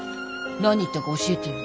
何言ったか教えてよ。